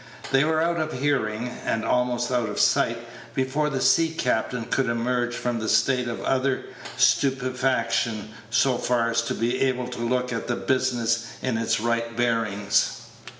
They were out of hearing, and almost out of sight, before the sea captain could emerge from a state of utter stupefaction so far as to be able to look at the business in its right bearings.